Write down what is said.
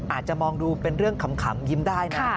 อาจจะมองดูเป็นเรื่องขำยิ้มได้นะ